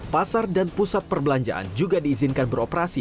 pasar dan pusat perbelanjaan juga diizinkan beroperasi